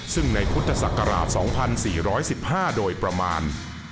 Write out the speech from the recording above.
ซึ่งในพุทธศักราช๒๔๑๕โดยประมาณ